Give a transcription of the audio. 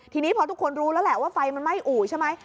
ทีนี้พอทุกคนรู้แล้วแหละว่าไฟมันไหม้อู่ใช่ไหม